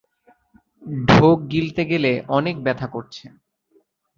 ঢোক গিলতে গেলে অনেক ব্যথা করছে।